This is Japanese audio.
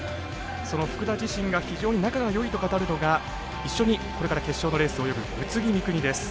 その福田自身が非常に仲がよいと語るのが一緒にこれから決勝のレース泳ぐ宇津木美都です。